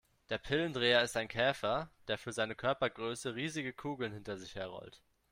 Der Pillendreher ist ein Käfer, der für seine Körpergröße riesige Kugeln hinter sich her rollt.